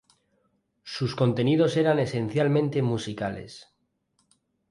Sus contenidos eran esencialmente musicales.